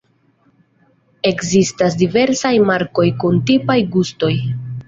Ekzistas diversaj markoj kun tipaj gustoj.